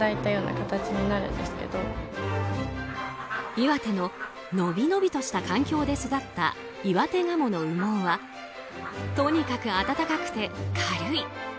岩手ののびのびとした環境で育った岩手ガモの羽毛はとにかく暖かくて軽い。